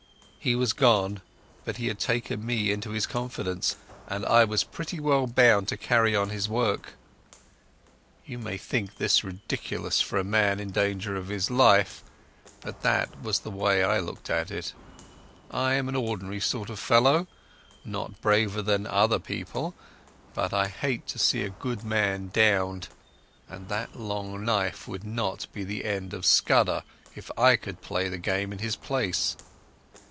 He was gone, but he had taken me into his confidence, and I was pretty well bound to carry on his work. You may think this ridiculous for a man in danger of his life, but that was the way I looked at it. I am an ordinary sort of fellow, not braver than other people, but I hate to see a good man downed, and that long knife would not be the end of Scudder if I could play the game in his place.